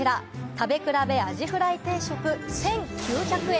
食べ比べアジフライ定食、１９００円。